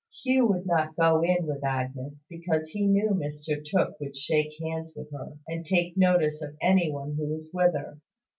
Hugh would not go in with Agnes, because he knew Mr Tooke would shake hands with her, and take notice of anyone who was with her.